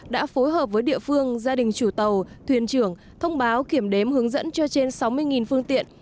đã phối hợp với địa phương gia đình chủ tàu thuyền trưởng thông báo kiểm đếm hướng dẫn cho trên sáu mươi phương tiện